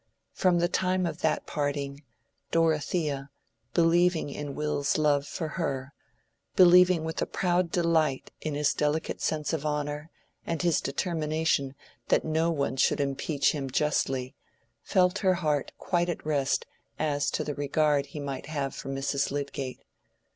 From the time of that parting, Dorothea, believing in Will's love for her, believing with a proud delight in his delicate sense of honor and his determination that no one should impeach him justly, felt her heart quite at rest as to the regard he might have for Mrs. Lydgate.